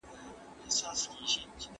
د سولې لپاره د خبرو اترو مهارت ته اړتیا ده.